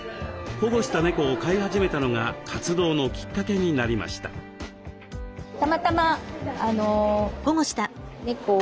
保護した猫を飼い始めたのが活動のきっかけになりました。